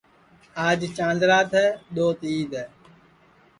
آج چند رات ہے دؔوت عید ہے